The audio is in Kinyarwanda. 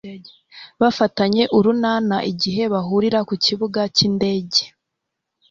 bafatanye urunana igihe bahurira ku kibuga cy'indege